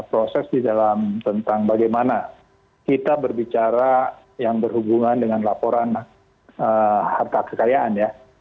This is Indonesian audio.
proses di dalam tentang bagaimana kita berbicara yang berhubungan dengan laporan harta kekayaan ya